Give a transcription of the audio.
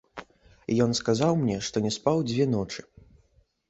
Ён сказаў мне, што не спаў дзве ночы.